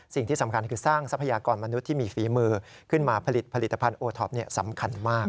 สิ่งที่สำคัญคือสร้างทรัพยากรมนุษย์ที่มีฝีมือขึ้นมาผลิตผลิตภัณฑ์โอท็อปสำคัญมาก